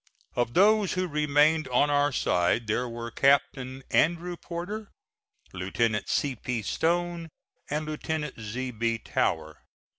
Of those who remained on our side there were Captain Andrew Porter, Lieutenant C. P. Stone and Lieutenant Z. B. Tower.